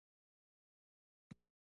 احمد د کابل ولایت ځای سړی دی.